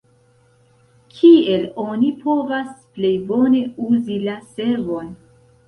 Kiel oni povas plej bone uzi la servon?